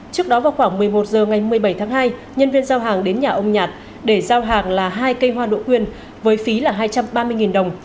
trước đó vào khoảng một mươi một h ngày một mươi bảy tháng hai nhân viên giao hàng đến nhà ông nhạt để giao hàng là hai cây hoa đỗ quyên với phí là hai trăm ba mươi đồng